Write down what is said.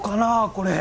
これ。